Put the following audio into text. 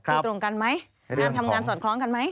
คือตรงกันไหมงานทำงานสอดคล้องกันไหม